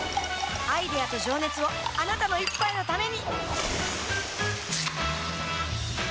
アイデアと情熱をあなたの一杯のためにプシュッ！